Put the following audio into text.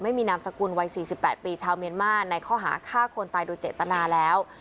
นามสกุลวัย๔๘ปีชาวเมียนมาในข้อหาฆ่าคนตายโดยเจตนาแล้ว